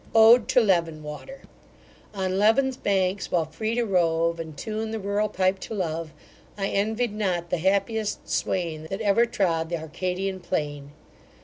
ODE TO LEVEN WATER On Leven's banks, while free to rove, And tune the rural pipe to love; I envied not the happiest swain That ever trod th' Arcadian plain.